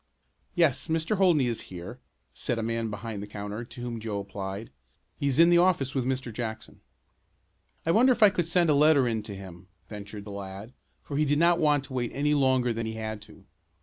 "Yes, Mr. Holdney is here," said a man behind the counter to whom Joe applied. "He's in the office with Mr. Jackson." "I wonder if I could send a letter in to him," ventured the lad, for he did not want to wait any longer than he had to.